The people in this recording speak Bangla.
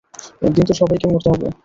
একদিন তো সবাইকে মরতে হবে।